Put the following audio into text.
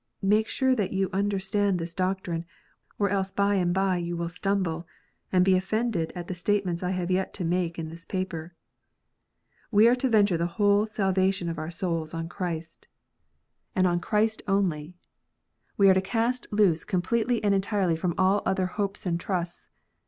Make sure that you under stand this doctrine, or else by and by you will stumble, and be offended at the statements I have yet to make in this paper. We are to venture the whole salvation of our souls on Christ, ONLY ONE WAY Of SALVATION. 29 and on Christ only. Wo are to cast loose completely and entirely from all other hopes and trusts.